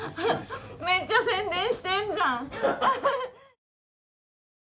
めっちゃ宣伝してんじゃん。